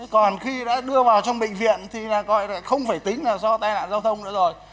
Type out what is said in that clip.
còn khi đã đưa vào trong bệnh viện thì là gọi là không phải tính là do tai nạn giao thông nữa rồi